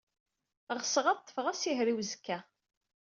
Ɣseɣ ad ḍḍfeɣ asihaṛ i uzekka.